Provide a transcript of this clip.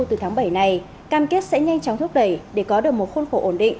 từ tháng bảy này cam kết sẽ nhanh chóng thúc đẩy để có được một khuôn khổ ổn định